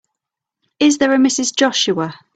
Is there a Mrs. Joshua?